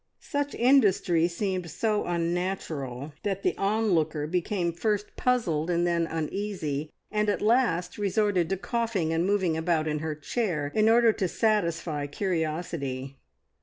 Such industry seemed so unnatural that the onlooker became first puzzled and then uneasy, and at last resorted to coughing and moving about in her chair in order to satisfy curiosity.